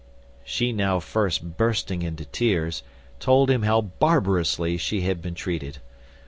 She now first bursting into tears, told him how barbarously she had been treated.